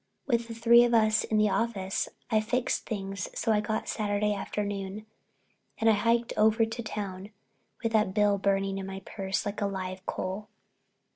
With three of us in the office I fixed things so I got Saturday afternoon and I hiked over to town with that bill burning in my purse like a live coal.